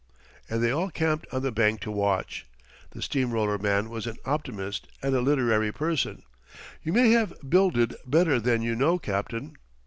And they all camped on the bank to watch. The steam roller man was an optimist and a literary person: "You may have builded better than you know, captain!"